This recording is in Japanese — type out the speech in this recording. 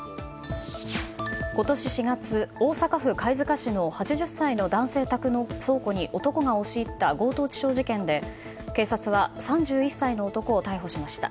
今年４月、大阪府貝塚市の８０歳の男性宅の倉庫に男が押し入った強盗致傷事件で警察は３１歳の男を逮捕しました。